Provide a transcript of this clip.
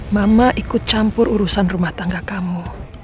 mama ikut campur urusan rumah tangga kamu